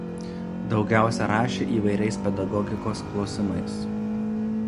Daugiausia rašė įvairiais pedagogikos klausimais.